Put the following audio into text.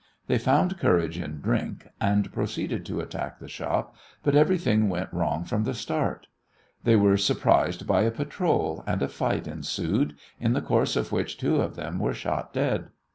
They found courage in drink, and proceeded to attack the shop, but everything went wrong from the start. They were surprised by a patrol, and a fight ensued, in the course of which two of them were shot dead.